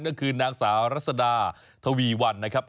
ก็คือนางสาวรัศดาทวีวันนะครับ